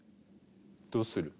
どうする？